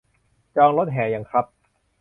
จองรถแห่ยังครับ